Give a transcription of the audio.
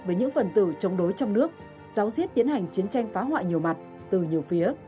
với những phần tử chống đối trong nước giáo diết tiến hành chiến tranh phá hoại nhiều mặt từ nhiều phía